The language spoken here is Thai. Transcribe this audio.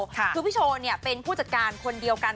คือพี่โชว์เป็นผู้จัดการคนเดียวกัน